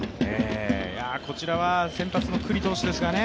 こちらは先発の九里投手ですがね。